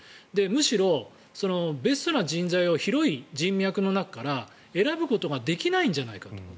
むしろ、ベストな人材を広い人脈の中から選ぶことができないんじゃないかと。